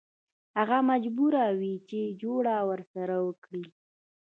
هغه مجبور وي چې جوړه ورسره وکړي.